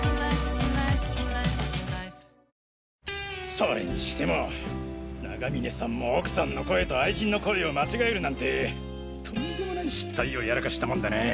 それにしても永峰さんも奥さんの声と愛人の声を間違えるなんてとんでもない失態をやらかしたもんだな。